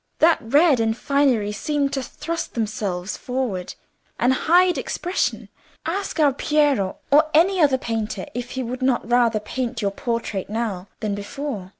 That red and finery seemed to thrust themselves forward and hide expression. Ask our Piero or any other painter if he would not rather paint your portrait now than before.